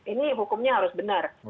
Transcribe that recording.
ini hukumnya harus benar